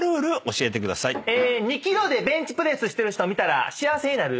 ２ｋｇでベンチプレスしてる人を見たら幸せになる。